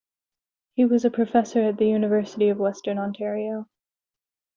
He was a Professor at the University of Western Ontario.